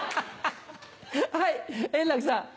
はい円楽さん。